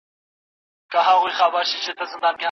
خپل شعرونه چاپ کړل